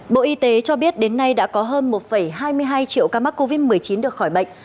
bộ y tế cho biết đến nay đã có hơn một hai mươi hai triệu ca mắc covid một mươi chín được khỏi bệnh